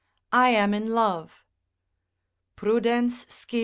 I am in love. Prudens sciens.